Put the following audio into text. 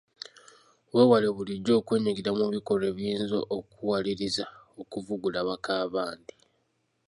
Weewale bulijjo okwenyigira mu bikolwa ebiyinza okukuwaliriza okuvugula bakaabandi.